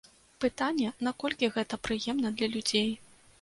Пытанне, наколькі гэта прыемна для людзей.